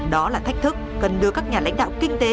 đó là thách thức cần đưa các nhà lãnh đạo kinh tế